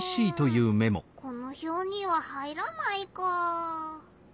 このひょうには入らないかあ。